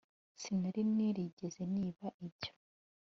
sinari narigeze niba ibyo